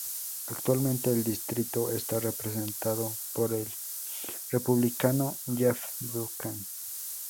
Actualmente el distrito está representado por el Republicano Jeff Duncan.